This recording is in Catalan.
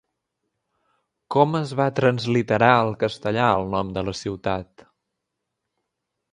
Com es va transliterar al castellà el nom de la ciutat?